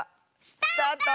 スタート！